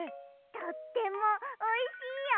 とってもおいしいよ。